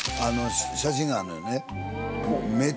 写真があんのよね。